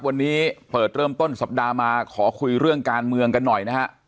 วันนี้เปิดเริ่มต้นสัปดาห์มาขอคุยเรื่องการเมืองกันหน่อยนะฮะ